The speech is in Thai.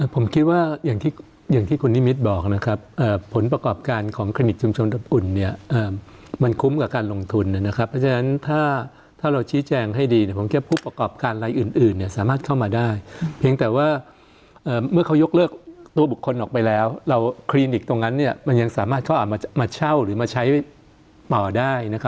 ผมคิดว่าอย่างที่คุณนิมิตรบอกนะครับผลประกอบการของคลินิกชุมชนอบอุ่นมันคุ้มกับการลงทุนนะครับเพราะฉะนั้นถ้าเราชี้แจงให้ดีผมแค่ผู้ประกอบการรายอื่นสามารถเข้ามาได้เพียงแต่ว่าเมื่อเขายกเลิกตัวบุคคลออกไปแล้วเราคลินิกตรงนั้นมันยังสามารถเข้ามาเช่าหรือมาใช้ต่อได้